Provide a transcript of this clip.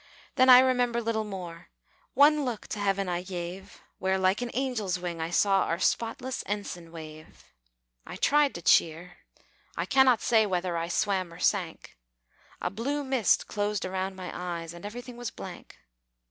Then I remember little more; One look to heaven I gave, Where, like an angel's wing, I saw Our spotless ensign wave. I tried to cheer, I cannot say Whether I swam or sank; A blue mist closed around my eyes, And everything was blank.